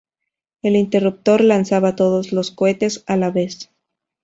El interruptor lanzaba todos los cohetes a la vez.